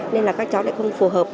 nên là các cháu lại không phù hợp